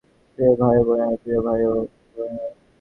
প্রিয় ভাই ও বোনেরা, প্রিয় ভাই ও বোনেরা।